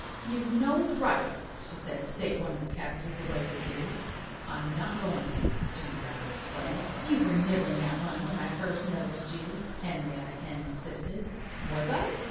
"You've no right," she said, "to take one of the cabbages away with you." "I'm not going to," Jimmy Rabbit explained. "You were nibbling at one when I first noticed you," Henrietta Hen insisted. "Was I?"